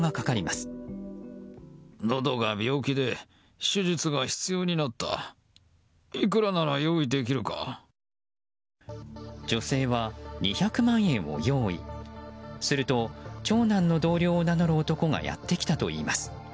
すると、長男の同僚を名乗る男がやってきたといいます。